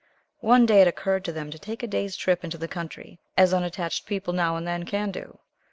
One day it occurred to them to take a day's trip into the country, as unattached people now and then can do.